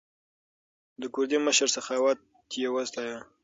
د کوردي مشر سخاوت یې وستایه.